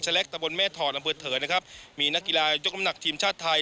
เล็กตะบนแม่ถอดอำเภอเถอนะครับมีนักกีฬายกน้ำหนักทีมชาติไทย